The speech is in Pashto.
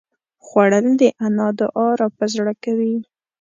خوړل د انا دعا راپه زړه کوي